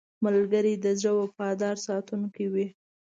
ملګری د زړه وفادار ساتونکی وي